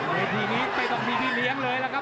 เวทีนี้ไม่ต้องมีพี่เลี้ยงเลยล่ะครับ